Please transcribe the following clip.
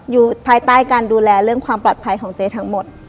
อยู่ภายใต้การดูแลเรื่องความปลอดภัยของเจ๊ทั้งหมด